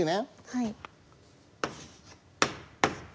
はい。